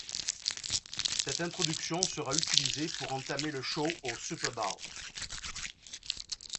Cette introduction sera utilisée pour entamer le show au Superbowl.